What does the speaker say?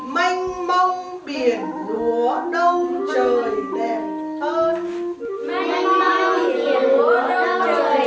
manh mong biển húa đông trời đẹp hơn